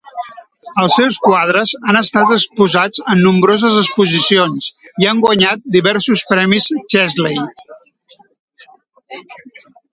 Els seus quadres han estat exposats en nombroses exposicions i han guanyat diversos premis Chesley.